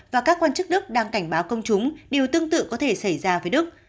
và các quan chức đức đang cảnh báo công chúng điều tương tự có thể xảy ra với đức